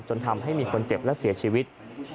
จนทำให้มีคนเจ็บและเสียชีวิต